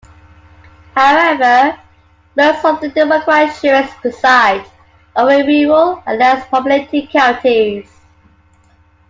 However, most of the Democratic sheriffs preside over rural and less populated counties.